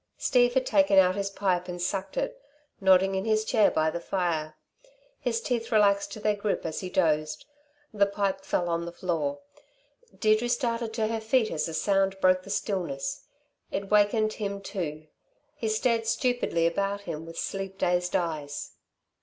Steve had taken out his pipe and sucked it, nodding in his chair by the fire. His teeth relaxed their grip as he dozed; the pipe fell on the floor. Deirdre started to her feet as the sound broke the stillness. It wakened him too. He stared stupidly about him with sleep dazed eyes.